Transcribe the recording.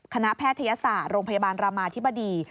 แพทยศาสตร์โรงพยาบาลรามาธิบดี